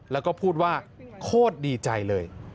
แล้วก็พูดว่าโคตรดีใจเลย